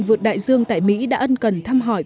vượt đại dương tại mỹ đã ân cần thăm hỏi